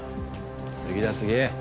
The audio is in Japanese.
次だ次！